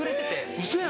ウソやん。